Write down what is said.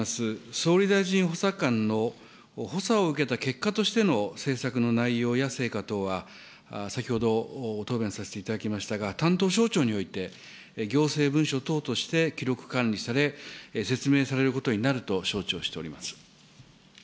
総理大臣補佐官の補佐を受けた結果としての政策の内容や成果等は、先ほど答弁させていただきましたが、担当省庁において行政文書等として記録管理され、説明されることになると承知をしております。